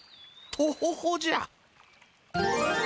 トホホじゃ。